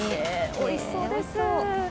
おいしそうです。